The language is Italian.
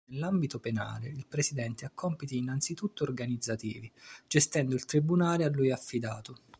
Nell'ambito penale il Presidente ha compiti innanzitutto organizzativi, gestendo il tribunale a lui affidato.